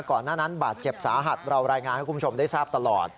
ก่อนหน้านั้นบาดเจ็บสาหัสเรารายงานให้คุณผู้ชมได้ทราบตลอด